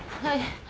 はい。